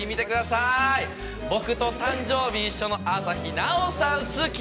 僕と誕生日一緒の朝日奈央さん好き。